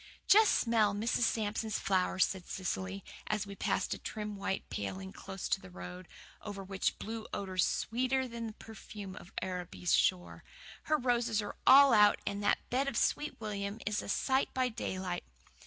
"Just smell Mrs. Sampson's flowers," said Cecily, as we passed a trim white paling close to the road, over which blew odours sweeter than the perfume of Araby's shore. "Her roses are all out and that bed of Sweet William is a sight by daylight."